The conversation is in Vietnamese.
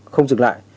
không dừng lại